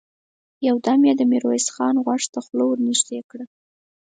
يودم يې د ميرويس خان غوږ ته خوله ور نږدې کړه!